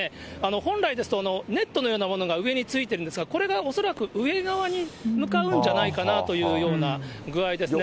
本来ですと、ネットのようなものが上についてるんですが、これが恐らく上側に向かうんじゃないかなというような具合ですね。